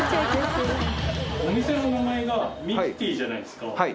お店の名前が「みきてぃー」じゃないですか。